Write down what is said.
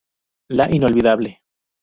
La Inolvidable.